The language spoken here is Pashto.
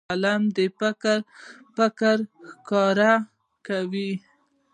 قلم فکر ښکاره کوي.